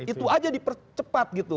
itu aja dipercepat gitu